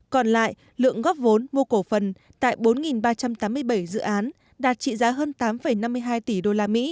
còn lại lượng góp vốn mua cổ phần tại bốn ba trăm tám mươi bảy dự án đạt trị giá hơn tám năm mươi hai tỷ usd